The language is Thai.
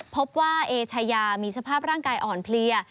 พบว่าเอชายามีสภาพร่างกายอ่อนเพลีย